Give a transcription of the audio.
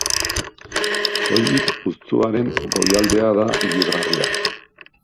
Soilik putzuaren goialdea da irisgarria.